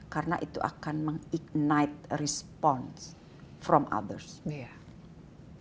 karena itu akan mengiknit respon dari orang lain